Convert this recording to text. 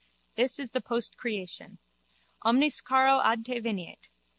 This is the postcreation. Omnis caro ad te veniet.